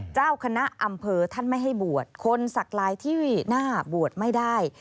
เจ้าคณะอำเภอท่านไม่ให้บวชคนสักลายที่หน้าบวชไม่ได้